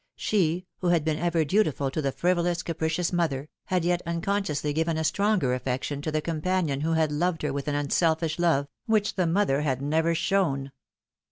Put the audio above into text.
She, who had been ever dutiful to the frivolous, capricious mother, had yet unconsciously given a stronger affec tion to the companion who had loved her with an unselfish love, which the mother had never shown.